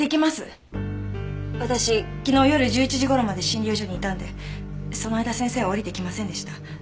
私昨日夜１１時頃まで診療所にいたんでその間先生は下りてきませんでした。